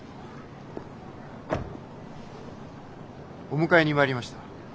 お迎えに参りました。